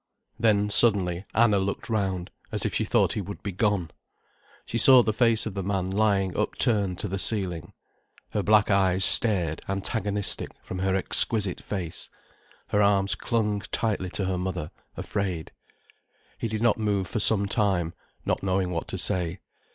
Then suddenly, Anna looked round, as if she thought he would be gone. She saw the face of the man lying upturned to the ceiling. Her black eyes stared antagonistic from her exquisite face, her arms clung tightly to her mother, afraid. He did not move for some time, not knowing what to say.